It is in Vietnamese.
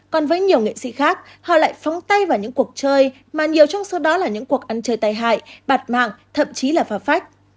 còn với nhiều nghệ sĩ khác họ lại phóng tay vào những cuộc chơi mà nhiều trong số đó là những cuộc ăn chơi tài hại bạt mạng thậm chí là vào phách